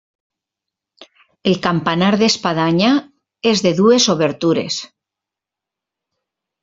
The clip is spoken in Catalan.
El campanar d'espadanya és de dues obertures.